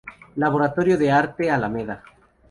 Laboratorio de Arte Alameda.